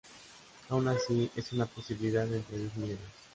Aun así, es una posibilidad entre diez millones.